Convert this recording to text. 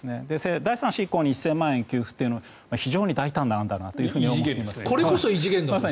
第３子以降に１０００万円給付というのは非常に大胆な案だと思いました。